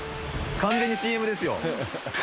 完全にＣＭですよ。